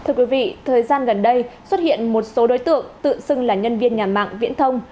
thưa quý vị thời gian gần đây xuất hiện một số đối tượng tự xưng là nhân viên nhà mạng viễn thông